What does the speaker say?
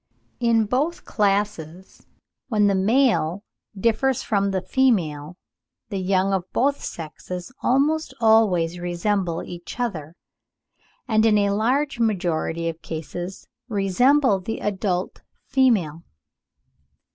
In both classes, when the male differs from the female, the young of both sexes almost always resemble each other, and in a large majority of cases resemble the adult female.